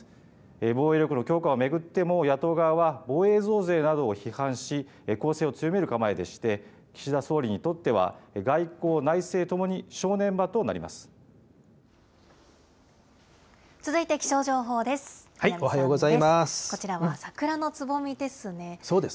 防衛力の強化を巡っても、野党側は防衛増税などを批判し、攻勢を強める構えでして、岸田総理にとっては、外交・内政ともに正念場となります。